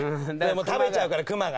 食べちゃうから熊がね。